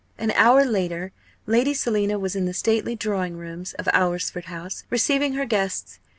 An hour later Lady Selina was in the stately drawing room of Alresford House, receiving her guests.